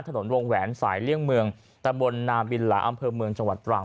ถนนวงแหวนสายเลี่ยงเมืองตะบนนามบินหลาอำเภอเมืองจังหวัดตรัง